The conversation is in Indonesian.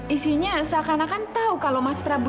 isinya seakan akan tahu kalau mas prabu